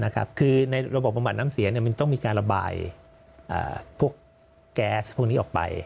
คือในระบบบำบัดน้ำเสียมันต้องมีการระบายพวกแก๊สพวกนี้ออกไป